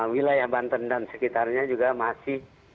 wilayah banten dan sekitarnya juga masih